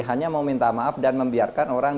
hanya mau minta maaf dan membiarkan orang